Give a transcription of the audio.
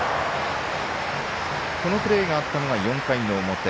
このプレーがあったのが４回の表。